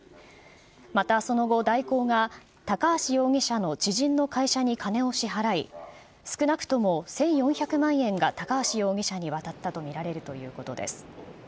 またその後、大広が、高橋容疑者の知人の会社に金を支払い、少なくとも１４００万円が高橋容疑者に渡ったと見られるということです。